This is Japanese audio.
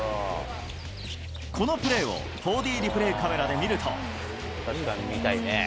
このプレーを４Ｄリプレイカメラで見ると。